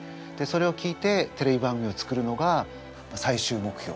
それを聞いてテレビ番組を作るのが最終目標ですね。